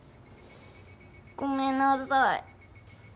ごめんなさい。